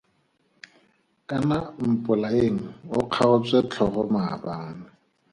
Kana Mpolaeng o kgaotswe tlhogo maabane.